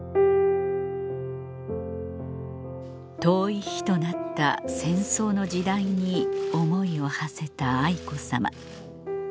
遠い日となった戦争の時代に思いをはせた愛子さま